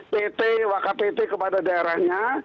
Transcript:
pt waka pt kepada daerahnya